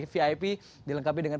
dilengkapi dengan pendidikan